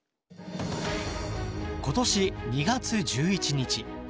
今年２月１１日。